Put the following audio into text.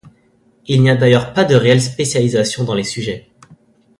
Il n'y a d'ailleurs pas de réelle spécialisation dans les sujets.